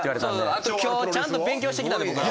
あと今日ちゃんと勉強してきたんで僕ら。